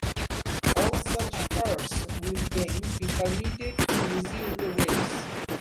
All such cars will then be permitted to resume the race.